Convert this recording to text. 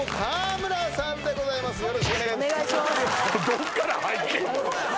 どっから入ってんの？